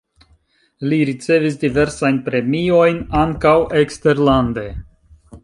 Li ricevis diversajn premiojn, ankaŭ eksterlande.